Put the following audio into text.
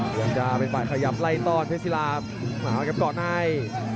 อยากจะเป็นปล่อยขยับไล่ตอนเพศรีราหากับก่อนให้